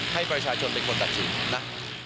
ให้ประชาชนเป็นคนตัดสินนะ